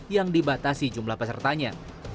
yang dibatasi jumlah pesertanya